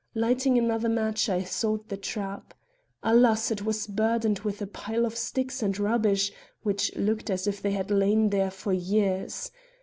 Lighting another match, I sought the trap. Alas! it was burdened with a pile of sticks and rubbish which looked as if they had lain there for years.